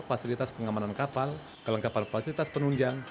fasilitas pengamanan kapal kelengkapan fasilitas penunjang